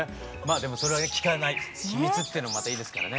でもそれはね聞かない秘密ってのもまたいいですからね。